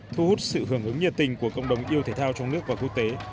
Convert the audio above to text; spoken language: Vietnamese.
thu hút sự hưởng ứng nhiệt tình của cộng đồng yêu thể thao trong nước và quốc tế